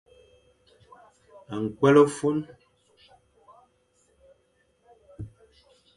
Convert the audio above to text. Ñkwel ô fôn.